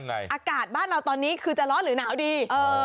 อากาศบ้านเราตอนนี้คือจะร้อนหรือหนาวดี